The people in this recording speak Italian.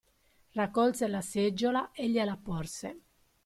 Raccolse la seggiola e gliela porse.